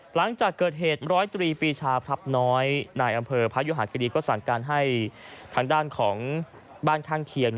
หลังจากเกิดเหตุร้อยตรีปีชาพลับน้อยนายอำเภอพระยุหาคดีก็สั่งการให้ทางด้านของบ้านข้างเคียง